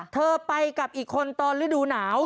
เธอไปกับอีกคนตอนฤดูหนาว